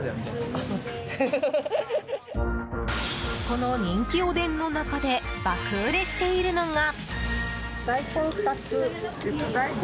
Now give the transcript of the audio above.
この人気おでんの中で爆売れしているのが。